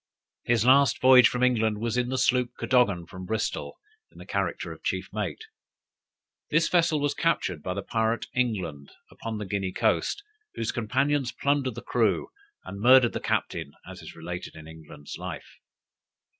His last voyage from England was in the sloop Cadogan from Bristol, in the character of chief mate. This vessel was captured by the pirate England, upon the Guinea coast, whose companions plundered the crew, and murdered the captain, as is related in England's life.